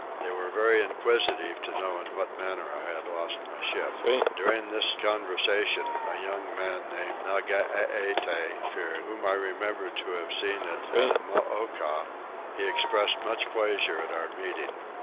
They were very inquisitive to know in what manner I had lost my ship. During this conversation a young man named Nageete appeared, whom I remembered to have seen at Annamooka: he expressed much pleasure at our meeting.